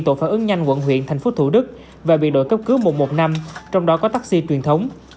tổ phản ứng nhanh quận huyện thành phố thủ đức và bị đội cấp cứu một trăm một mươi năm trong đó có taxi truyền thống